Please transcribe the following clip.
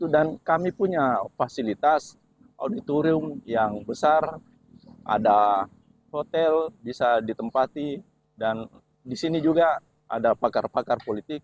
dan kami punya fasilitas auditorium yang besar ada hotel bisa ditempati dan di sini juga ada pakar pakar politik